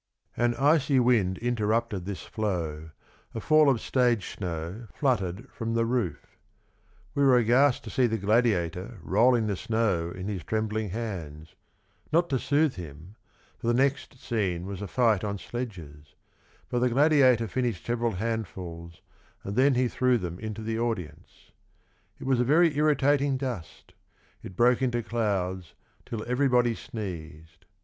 An icy wind interrupted this flow, a fall of stage snow fluttered from the roof. We were aghast to see the gladiator rolling the snow in his trembling hands— Not to soothe him — for the next scene was a fight on sledges — but the gladiator finished several handfuls and then he threw them into the audience. It was a very irritating dust, it broke into clouds, till everybody sneezed.